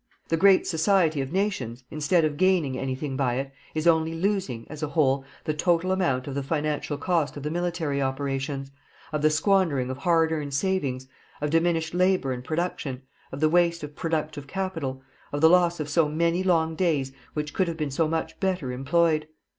The great society of nations, instead of gaining anything by it, is only losing, as a whole, the total amount of the financial cost of the military operations, of the squandering of hard earned savings, of diminished labour and production, of the waste of productive capital, of the loss of so many long days which could have been so much better employed.